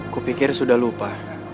kupikir sudah lupa